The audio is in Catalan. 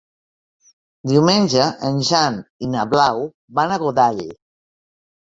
Diumenge en Jan i na Blau van a Godall.